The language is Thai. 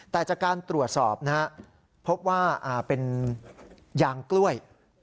แต่จากการตรวจสอบนะฮะพบว่าเป็นยางกล้วย